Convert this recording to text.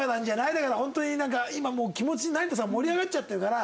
だから本当になんか今もう気持ち成田さん盛り上がっちゃってるから。